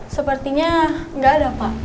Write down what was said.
sepertinya enggak ada pak